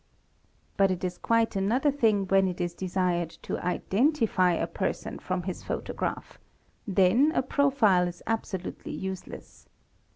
But it is quite another thing when it is desired to identify _ a person from his photograph; then a profile is absolutely useless.